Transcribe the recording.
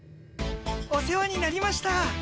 お世話になりました。